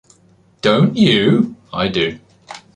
Don’t you? I do.